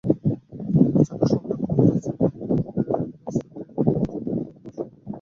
এছাড়াও সন্ধ্যার পরে রাজধানীর ফকিরেরপুল এলাকায় রাস্তায় টায়ারে আগুন জালায় হরতাল সমর্থকরা।